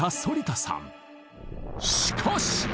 しかし！